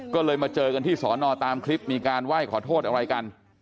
ก็เลยมาเจอกันที่สอนอตามคลิปมีการไหว้ขอโทษอะไรกัน